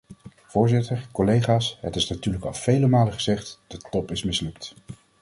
Voorzitter, collega's, het is natuurlijk al vele malen gezegd: de top is mislukt.